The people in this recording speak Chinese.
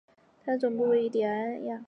它的总部位于雅典。